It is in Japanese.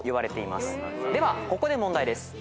ではここで問題です。